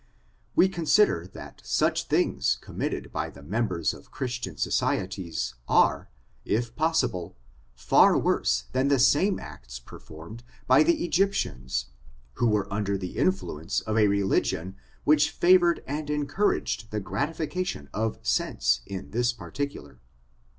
We consider that such things committed by the members of Christian societies aie, if possible, iar worse than the same acts performed by the Egjfp tians, who were under the influ^ice of a religion which favored and encouraged the gratification of sense in this particular.